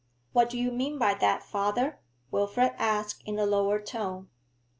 'What do you mean by that, father?' Wilfrid asked in a lower tone.